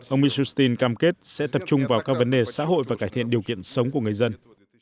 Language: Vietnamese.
ông mishustin cam kết sẽ tập trung vào các vấn đề xã hội và cải thiện điều kiện sống của người dân